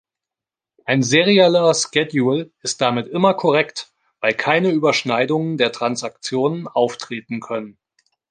Ein serieller Schedule ist damit immer korrekt, weil keine Überschneidungen der Transaktionen auftreten können.